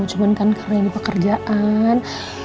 cuman kan kalian di pekerjaan